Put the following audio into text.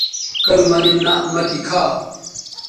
کرو مہ نِن نہ مہ تی کھا